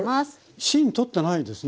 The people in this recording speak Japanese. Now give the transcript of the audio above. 芯取ってないですね？